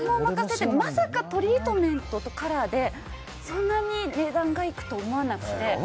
まさかトリートメントとカラーでそんなに値段がいくとは思わなくて。